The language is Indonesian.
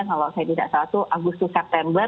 kalau saya tidak salah itu agustus september